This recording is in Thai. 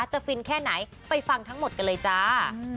ฟินแค่ไหนไปฟังทั้งหมดกันเลยจ้า